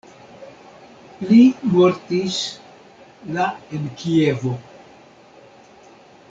Li mortis la en Kievo.